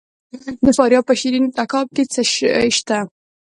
د فاریاب په شیرین تګاب کې څه شی شته؟